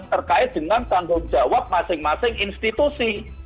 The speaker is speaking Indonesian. terkait dengan tanggung jawab masing masing institusi